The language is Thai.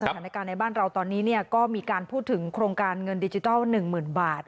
การใดหน้าการในบ้านเราตอนนี้เนี่ยก็มีการพูดถึงโครงการเงินดิจิทัล๑หมื่นบาท